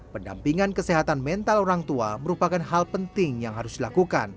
pendampingan kesehatan mental orang tua merupakan hal penting yang harus dilakukan